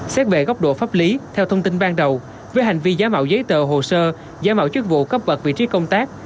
xét về góc độ pháp lý theo thông tin ban đầu với hành vi giá mạo giấy tờ hồ sơ giá mạo chức vụ cấp bật vị trí công tác